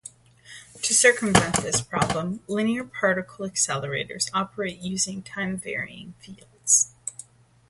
To circumvent this problem, linear particle accelerators operate using time-varying fields.